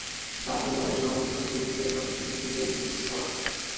জাতীয় দলের সমর্থক গ্রুপকে আনুষ্ঠানিকভাবে রেড ডেভিলস বলা হয়।